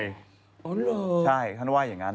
ใช่ท่านว่าอย่างนั้น